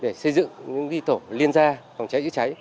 để xây dựng những tổ liên gia phòng cháy chữa cháy